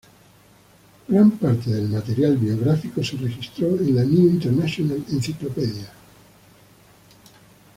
Gran parte del material biográfico se registró en la "New International Encyclopedia".